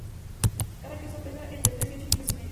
Cada queso pesa entre tres y ocho kilos y medio.